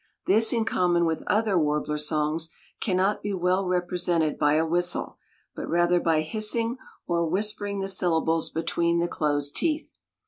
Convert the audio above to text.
This, in common with other warbler songs, cannot be well represented by a whistle, but rather by hissing or whispering the syllables between the closed teeth.